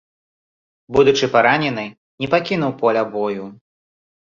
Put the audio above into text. Будучы паранены не пакінуў поля бою.